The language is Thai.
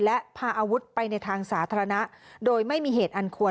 และพาอาวุธไปในทางสาธารณะโดยไม่มีเหตุอันควร